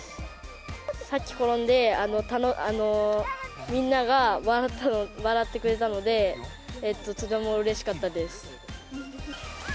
さっき転んで、みんなが笑ってくれたので、とてもうれしかったです。